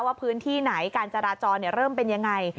ว่าพื้นที่ไหนการจราจรเริ่มเป็นยังไง